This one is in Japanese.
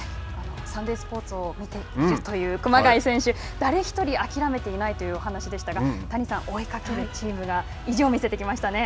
サンデースポーツを見ていらっしゃるという熊谷選手誰一人諦めていないというお話でしたが谷さん、追いかけるチームが意地を見せてきましたね。